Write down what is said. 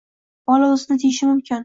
Bola o‘zini tiyishi mumkin